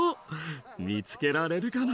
見つけられるかな？